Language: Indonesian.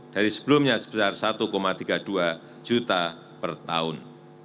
dari sebelumnya sebesar satu tiga puluh dua juta per tahun